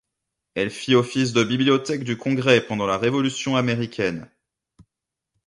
Elle fit office de bibliothèque du Congrès pendant la Révolution américaine.